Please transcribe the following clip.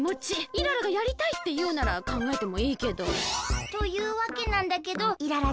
イララがやりたいっていうならかんがえてもいいけど。というわけなんだけどイララ